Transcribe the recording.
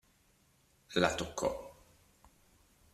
La toccò.